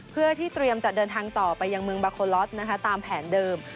เพื่อที่เตรียมจะเดินทางต่อไปยังเมืองบาโคลอสตามแผนเดิม